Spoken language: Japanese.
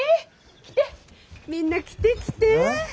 来てみんな来て来て。